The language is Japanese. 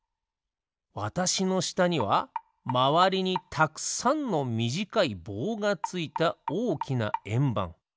わたしのしたにはまわりにたくさんのみじかいぼうがついたおおきなえんばん。